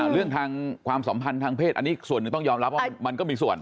เรื่องทางความสัมพันธ์ทางเพศอันนี้ส่วนหนึ่งต้องยอมรับว่ามันก็มีส่วน